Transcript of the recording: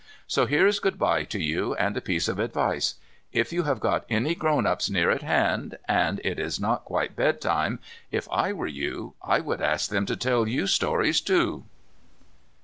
So here is good bye to you and a piece of advice. If you have got any grown ups near at hand and it is not quite bedtime, if I were you I would ask them to tell you stories, too.